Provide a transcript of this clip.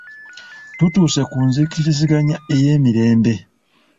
Tutuuse ku nzikiriziganya ey'emirembe